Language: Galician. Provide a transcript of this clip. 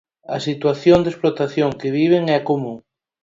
A situación de explotación que viven é común.